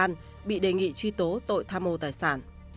trương huệ vân bị đề nghị truy tố tội tham mô tài sản